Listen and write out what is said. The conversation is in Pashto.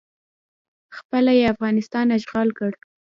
خپله یې افغانستان اشغال کړ